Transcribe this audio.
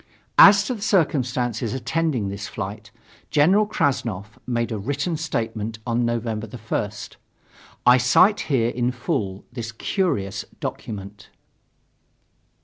As to the circumstances attending this flight, General Krassnov made a written statement on November 1st. I cite here in full this curious document.